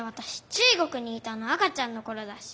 中国にいたの赤ちゃんのころだし。